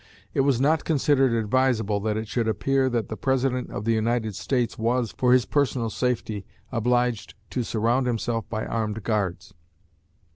It was not considered advisable that it should appear that the President of the United States was, for his personal safety, obliged to surround himself by armed guards.